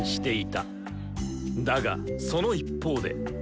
だがその一方で。